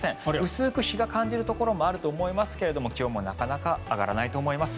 薄く日が感じるところもあると思いますが気温もなかなか上がらないと思います。